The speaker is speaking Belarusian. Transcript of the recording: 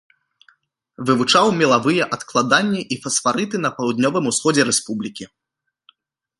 Вывучаў мелавыя адкладанні і фасфарыты на паўднёвым усходзе рэспублікі.